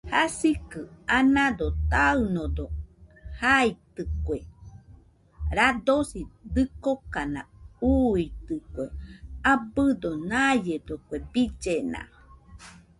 Jasikɨ anado taɨnodo jaitɨkue , radosi dɨkokana uuitɨkue abɨdo naiedo kue billena